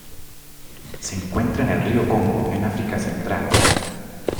Se encuentra en el río Congo en África Central.